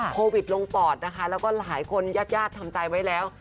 โควิดลงปอดนะคะแล้วก็หลายคนญาติญาติทำใจไว้แล้ว